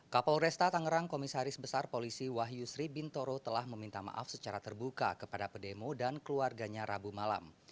kapolresta tangerang komisaris besar polisi wahyu sri bintoro telah meminta maaf secara terbuka kepada pedemo dan keluarganya rabu malam